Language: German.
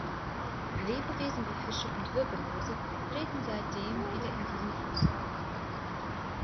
Lebewesen wie Fische und Wirbellose treten seit dem wieder in diesem Fluss auf.